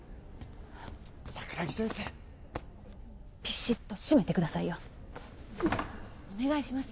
桜木先生っピシッと締めてくださいよお願いします